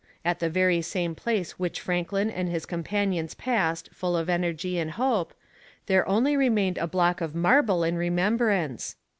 At the very same place which Franklin and his companions passed full of energy and hope, there only remained a block of marble in remembrance!